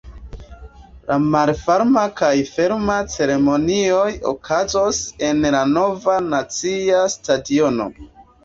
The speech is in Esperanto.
La malferma kaj ferma ceremonioj okazos en la Nova nacia stadiono.